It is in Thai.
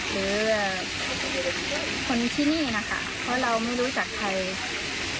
หรือคนที่นี่นะคะเพราะเราไม่รู้จักใคร